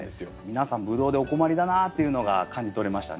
皆さんブドウでお困りだなというのが感じ取れましたね。